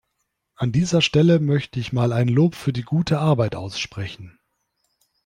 An dieser Stelle möchte ich mal ein Lob für die gute Arbeit aussprechen.